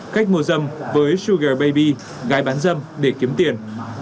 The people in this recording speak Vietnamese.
khách mua dâm với sugar baby gái bán dâm để kiếm tiền